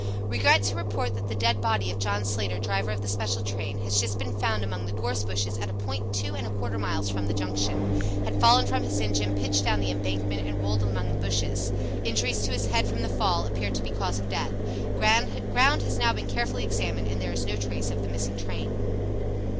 "Regret to report that the dead body of John Slater, driver of the special train, has just been found among the gorse bushes at a point two and a quarter miles from the Junction. Had fallen from his engine, pitched down the embankment, and rolled among the bushes. Injuries to his head, from the fall, appear to be cause of death. Ground has now been carefully examined, and there is no trace of the missing train."